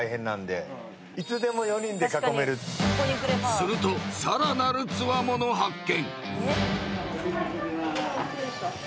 ［するとさらなるつわもの発見］